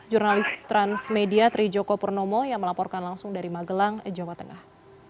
jurnalis transmedia trijoko purnomo yang melaporkan langsung dari magelang jawa tengah